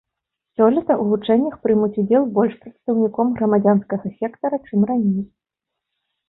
Сёлета ў вучэннях прымуць удзел больш прадстаўнікоў грамадзянскага сектара, чым раней.